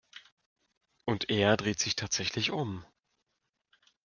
Und er dreht sich tatsächlich um.